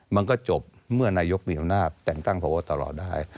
มันก็จบเมื่อนายกมีอำนาจแต่งตั้งพบตลอดได้